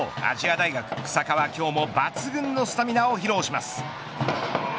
一方、亜細亜大学、草加は今日も抜群のスタミナを披露します。